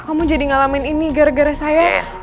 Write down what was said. kamu jadi ngalamin ini gara gara saya